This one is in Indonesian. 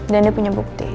dan dia punya bukti